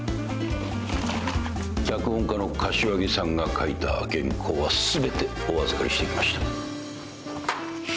脚本家の柏木さんが書いた原稿は全てお預かりしてきました。